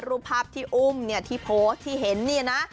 รูปภาพที่อุ้มเนี่ยที่โพสต์ที่เห็นเนี่ยนะ